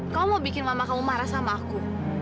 kamu mau bikin mama kamu marah sama aku